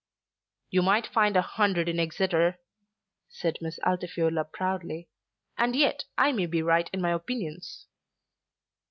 "You might find a hundred in Exeter," said Miss Altifiorla proudly, "and yet I may be right in my opinions."